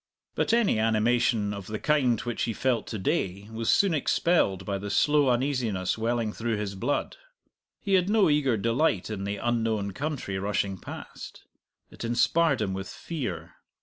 But any animation of the kind which he felt to day was soon expelled by the slow uneasiness welling through his blood. He had no eager delight in the unknown country rushing past; it inspired him with fear.